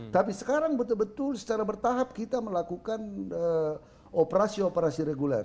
tapi sekarang betul betul secara bertahap kita melakukan operasi operasi reguler